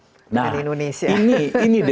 jangan jangan mereka nanti yang mau ikut dari indonesia